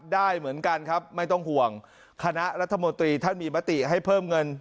ได้เหมือนกันครับไม่ต้องห่วงคณะรัฐมนตรีท่านมีมติให้เพิ่มเงิน